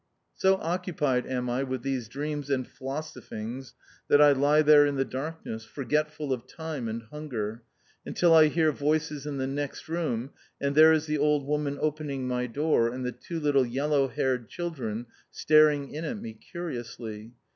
'" So occupied am I with these dreams and philosophings that I lie there in the darkness, forgetful of time and hunger, until I hear voices in the next room, and there is the old woman opening my door, and the two little yellow haired children staring in at me curiously.